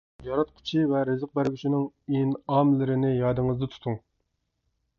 ياراتقۇچى ۋە رىزىق بەرگۈچىنىڭ ئىنئاملىرىنى يادىڭىزدا تۇتۇڭ.